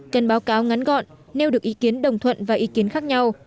cần báo cáo ngắn gọn nêu được ý kiến đồng thuận và ý kiến khác nhau